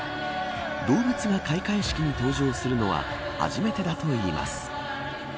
動物が開会式に登場するのは初めてだといいます。